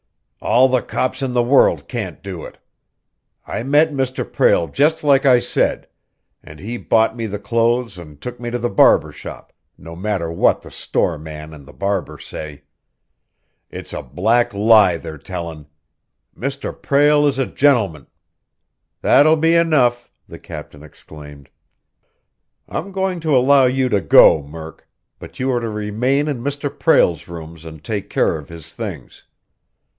"All the cops in the world can't do it! I met Mr. Prale just like I said, and he bought me the clothes and took me to the barber shop, no matter what the store man and the barber say! It's a black lie they're tellin'! Mr. Prale is a gentleman " "That'll be enough!" the captain exclaimed. "I'm going to allow you to go, Murk, but you are to remain in Mr. Prale's rooms and take care of his things.